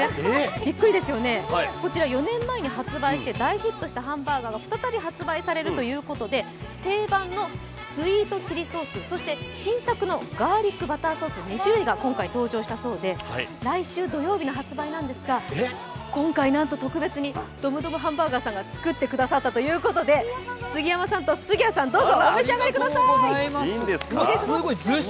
びっくりですよね、こちら、４年前に発売して大ヒットしたハンバーガーが再び発売されるということで、定番のスイートチリソース、そして新作のガーリックバターソース、２種類が今回登場したそうで来週土曜日に発売なんですが、今回特別にドムドムハンバーガーさんが作ってくださったということで杉山さんと杉谷さん、どうぞ、お召し上がりください！